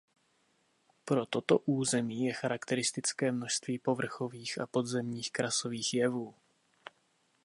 Pro toto území je charakteristické množství povrchových a podzemních krasových jevů.